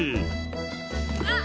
「あっ！